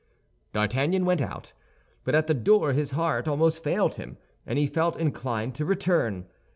D'Artagnan went out, but at the door his heart almost failed him, and he felt inclined to return.